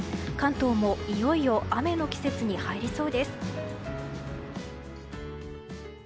関東もいよいよ雨の季節に入りそうです。